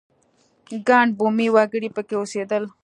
ګڼ بومي وګړي په کې اوسېدل.